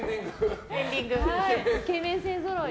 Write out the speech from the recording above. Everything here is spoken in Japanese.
イケメン勢ぞろい。